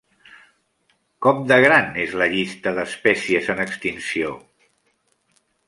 Com de gran és la llista d'espècies en extinció?